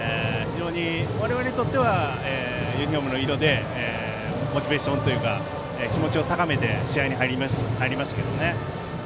我々にとってはユニフォームの色でモチベーションというか気持ちを高めて試合に入りましたけどね。